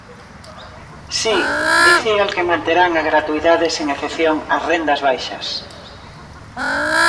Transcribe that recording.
Si, dicía el que manterán a gratuidade sen excepción ás rendas baixas.